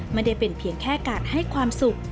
ไม่ได้เป็นเพียงแค่การให้ความสุข